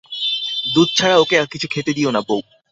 দুধ ছাড়া ওকে আর কিছু খেতে দিও না বৌ।